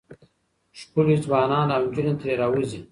ښکلي ځوانان او نجونې ترې راوځي.